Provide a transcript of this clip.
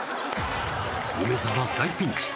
梅沢大ピンチ